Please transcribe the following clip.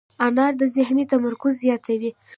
انار د ذهني تمرکز زیاتوي.